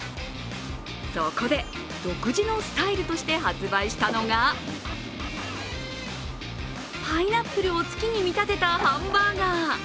そこで独自のスタイルとして発売したのが、パイナップルを月に見立てたハンバーガー。